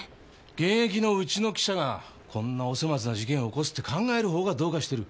現役のうちの記者がこんなお粗末な事件を起こすって考えるほうがどうかしてる。